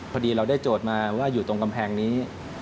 พอดีเราได้โจทย์มาว่าอยู่ตรงกำแพงนี้